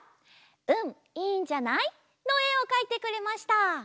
「うん、いいんじゃない」のえをかいてくれました。